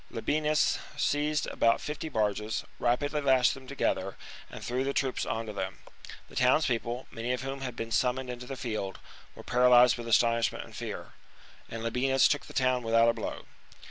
Labienus seized about fifty barges, rapidly lashed them together, and threw the troops on to them : the townspeople, many of whom had been sum moned into the field, were paralysed with astonish ment and fear ; and Labienus took the town without a blow.